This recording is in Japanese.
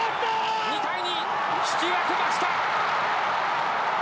２対２引き分けました。